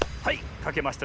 かけました！